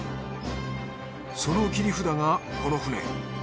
その切り札がこの船。